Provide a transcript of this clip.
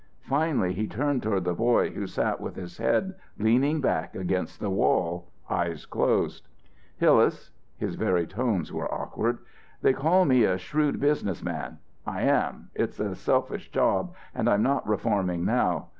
Finally he turned toward the boy who sat with his head leaning back against the wall, eyes closed. "Hillas," his very tones were awkward, "they call me a shrewd business man. I am, it's a selfish job and I'm not reforming now.